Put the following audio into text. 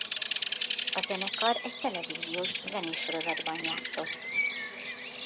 A zenekar egy televíziós zenés sorozatban játszott.